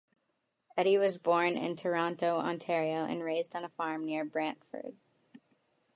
Eddy was born in Toronto, Ontario and raised on a farm near Brantford.